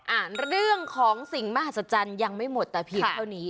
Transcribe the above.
อ่านเรื่องของสิ่งมหัศจรรย์ยังไม่หมดแต่เพียงเท่านี้